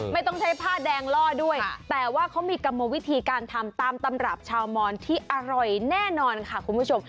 ไม่ต้องใช้ผ้าแดงล่อด้วยแต่ว่าเขามีกรรมวิธีการทำตามตำรับชาวมอนที่อร่อยแน่นอนค่ะคุณผู้ชม